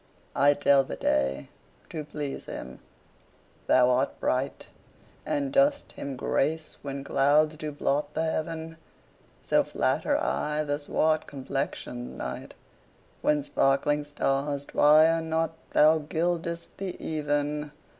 I tell the day, to please him thou art bright, And dost him grace when clouds do blot the heaven: So flatter I the swart complexion'd night, When sparkling stars twire not thou gild'st the even.